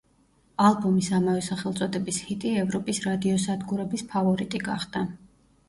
ალბომის ამავე სახელწოდების ჰიტი ევროპის რადიო სადგურების ფავორიტი გახდა.